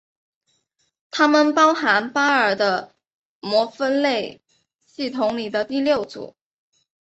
它们包含巴尔的摩分类系统里的第六组。